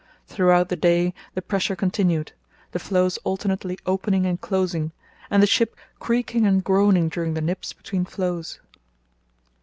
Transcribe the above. Throughout the day the pressure continued, the floes alternately opening and closing, and the ship creaking and groaning during the nips between floes.